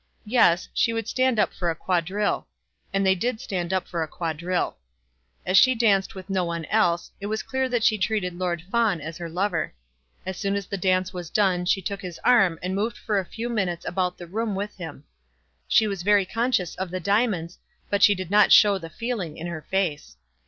Yes; she would stand up for a quadrille; and they did stand up for a quadrille. As she danced with no one else, it was clear that she treated Lord Fawn as her lover. As soon as the dance was done she took his arm and moved for a few minutes about the room with him. She was very conscious of the diamonds, but she did not show the feeling in her face.